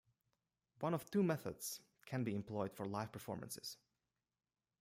One of two methods can be employed for live performances.